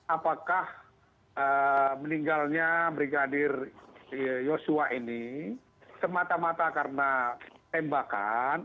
apakah meninggalnya brigadir yosua ini semata mata karena tembakan